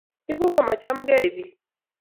ibu komachamgei biik